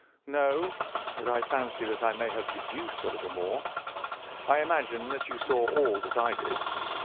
"No, but I fancy that I may have deduced a little more. I imagine that you saw all that I did."